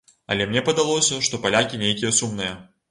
Але мне падалося, што палякі нейкія сумныя.